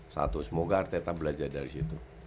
satu semoga arteta belajar dari situ